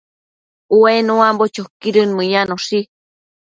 Ue nuambo choquidën mëyanoshi